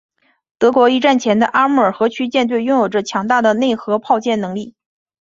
俄国一战前的阿穆尔河区舰队拥有着强大的内河炮舰实力。